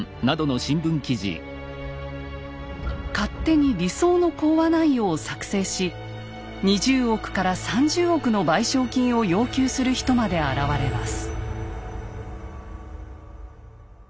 勝手に理想の講和内容を作成し２０億から３０億の賠償金を要求する人まで現れます。